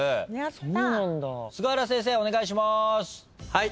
はい。